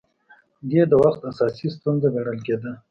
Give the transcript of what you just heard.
دې د وخت اساسي ستونزه ګڼل کېده